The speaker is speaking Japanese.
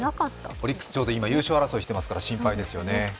オリックス、今ちょうど優勝争いしてますから心配ですね。